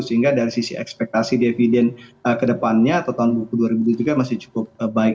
sehingga dari sisi ekspektasi dividen ke depannya atau tahun buku dua ribu dua puluh tiga masih cukup baik